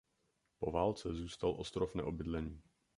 Po válce zůstal ostrov neobydlený.